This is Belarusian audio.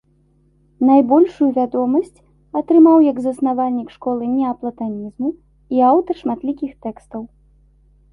Найбольшую вядомасць атрымаў як заснавальнік школы неаплатанізму і аўтар шматлікіх тэкстаў.